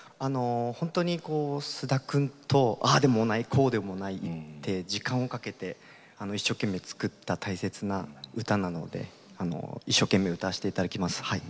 本当に菅田君とああでもない、こうでもないって時間をかけて一生懸命作った大切な歌なので一生懸命、歌わせていただきます。